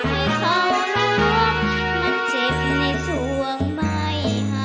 ให้เขาร้องมันเจ็บในส่วงไม่หาย